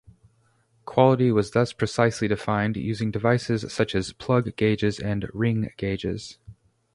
Quality was thus precisely defined using devices such as plug gauges and ring gauges.